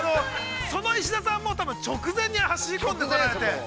その石田さんも、直前に走り込んでこられて。